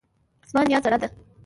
زما نیا زړه ده